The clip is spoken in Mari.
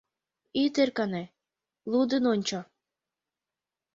Ит ӧркане, лудын ончо.